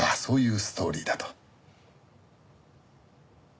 そういうストーリーだと。